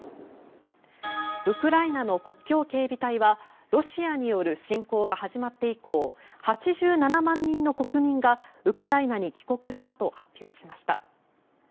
ウクライナの国境警備隊はロシアによる侵攻が始まって以降８７万人の国民がウクライナに帰国したと発表しました。